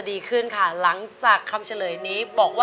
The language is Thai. มีพลังการร้อง